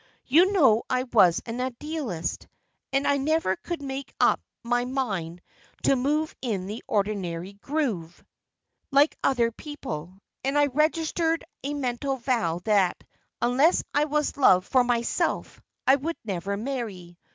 You know I was an Idealist, and I never could make up my mind to move in the ordinary groove, like other people, and I registered a mental vow that, unless I was loved for myself, I would never marry.